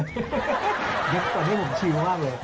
ฉันตอนนี้ผมชิมมากเลย